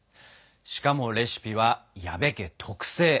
しかもレシピは矢部家特製。